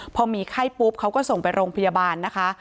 พอมีไข้ปุ๊บเขาก็ส่งไปโรงพยาบาลนะคะ